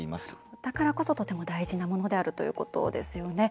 だからこそとても大事なものであるということですよね。